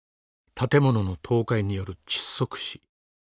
建物の倒壊による窒息死。